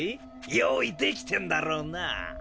用意できてんだろうな？